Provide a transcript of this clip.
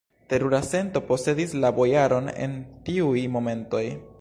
Terura sento posedis la bojaron en tiuj momentoj!